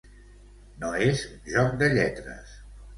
No és un joc de lletres.